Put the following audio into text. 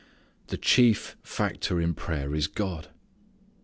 The chief factor in prayer is God.